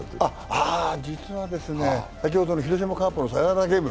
実は、先ほどの広島カープのサヨナラゲーム。